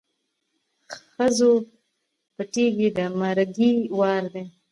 ښځو پټېږی د مرګي وار دی